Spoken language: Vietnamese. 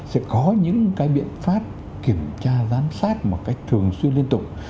sẽ có những biện pháp kiểm tra giám sát một cách thường xuyên liên tục